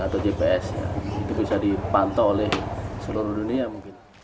dan juga aplikasi yang berbasis android yang menggunakan teknologi asing